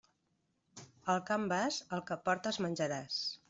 Al camp vas, el que portes menjaràs.